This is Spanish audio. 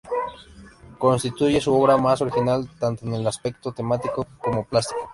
Constituye su obra más original, tanto en el aspecto temático como plástico.